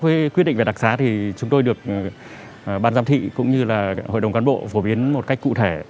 khi có quyết định về đặc sá thì chúng tôi được ban giám thị cũng như là hội đồng cán bộ phổ biến một cách cụ thể